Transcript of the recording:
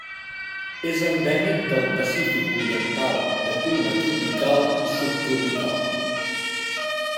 És endèmic del Pacífic oriental de clima tropical i subtropical.